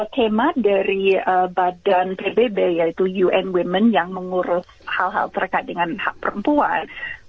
tema dari badan pbb yaitu un women yang mengurus hal hal terkait dengan hak perempuan